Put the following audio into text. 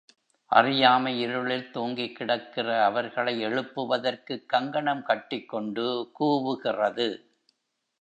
அறியாமை இருளில் தூங்கிக் கிடக்கிற அவர்களை எழுப்புவதற்குக் கங்கணம் கட்டிக் கொண்டு கூவுகிறது.